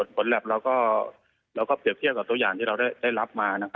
แหลปเราก็เปรียบเทียบกับตัวอย่างที่เราได้รับมา